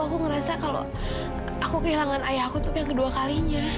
aku ngerasa kalau aku kehilangan ayah aku tuh yang kedua kalinya